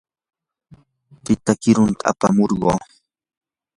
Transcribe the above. tita qirutam apamurquu.